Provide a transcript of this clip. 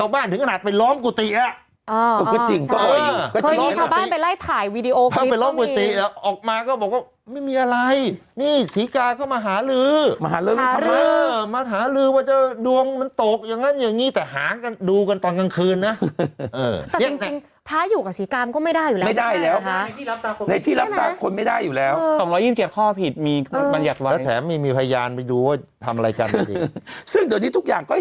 บางทีเนี่ยเจ้าบ้านถึงขนาดไปล้อมกุฏิอ่ะ